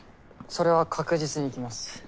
それは確実に来ます。